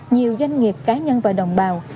nhiều doanh nghiệp cá nhân và đồng bào